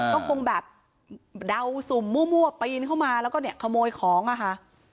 ก็คงแบบเดาสุ่มมั่วปีนเข้ามาแล้วก็เนี่ยขโมยของอะค่ะ